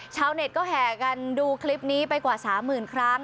ชาวเน็ตก็แห่กันดูคลิปนี้ไปกว่า๓๐๐๐ครั้ง